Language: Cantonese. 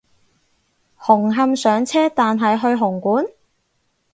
紅磡上車但係去紅館？